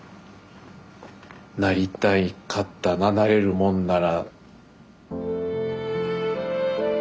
なりたいかったななれるもんなら。